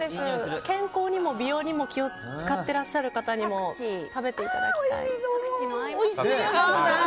健康にも美容にも気を使っていらっしゃる方にも食べていただきたい。